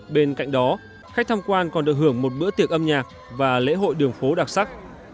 bên cạnh đó khách tham quan còn được hưởng một bữa tiệc âm nhạc và lễ hội đường phố đặc sắc